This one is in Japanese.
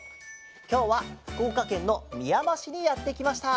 きょうはふくおかけんのみやましにやってきました。